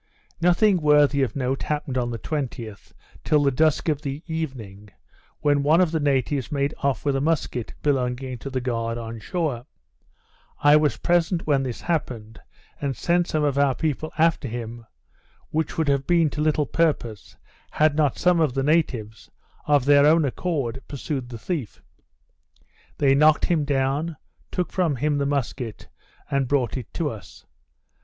Nothing worthy of note happened on the 20th, till the dusk of the evening, when one of the natives made off with a musquet belonging to the guard on shore. I was present when this happened, and sent some of our people after him, which would have been to little purpose, had not some of the natives, of their own accord, pursued the thief. They knocked him down, took from him the musquet, and brought it to us.